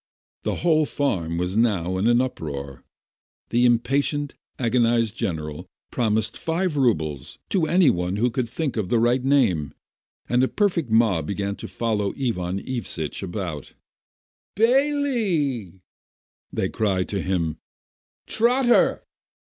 The whole farm was now in an uproar. The im patient, agonised general promised five roubles to Digitized byV^iOOQlC 876 RUSSIAN SILHOUETTES any one who would think of the right name, and a perfect mob began to follow Ivan Evceitch about. "Bayley!" They cried to him. "Trotter!